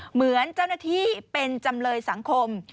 เหมือนเจ้าหน้าที่เป็นจำเลยสังคม